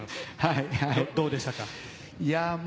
どうでしたか？